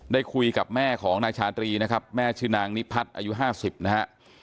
ได้คุยกับแม่ของนายชาตรีนะครับแม่ชื่อนางนิพัฒน์อายุ๕๐นะฮะ